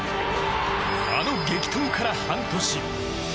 あの激闘から半年。